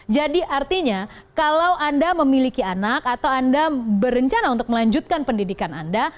jadi artinya kalau anda memiliki anak atau anda berencana untuk melanjutkan pendidikan anda